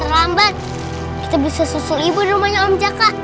sebelum terlambat kita bisa susul ibu di rumahnya om jaka